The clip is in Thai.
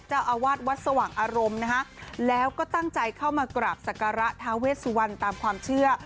เจ้าอาวาสวัดสว่างอารมณ์นะคะแล้วก็ตั้งใจเข้ามากราบสักการะท้าเวสวรรณตามความเชื่อ